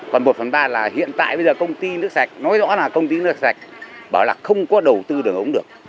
còn một phần ba là hiện tại bây giờ công ty nước sạch nói rõ là công ty nước sạch bảo là không có đầu tư đường ống được